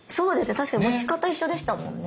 確かに持ち方一緒でしたもんね。